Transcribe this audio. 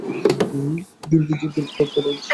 এই দীর্ঘ যুদ্ধের পর তার রাজ্যে দ্রুত শান্তি ফিরে আসে।